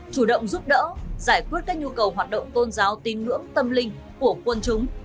chủ động giúp đỡ giải quyết các nhu cầu hoạt động tôn giáo tin ngưỡng tâm linh của quân chúng